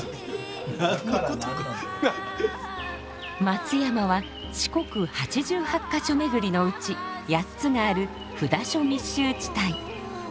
松山は四国八十八か所めぐりのうち８つがある札所密集地帯。